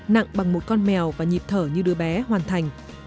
nặng bằng một con mèo và nhịp thở như đứa bé hoàn thành